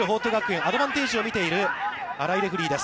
アドバンテージを見ている新井レフリーです。